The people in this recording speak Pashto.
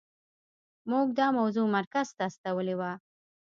موږ دا موضوع مرکز ته استولې وه.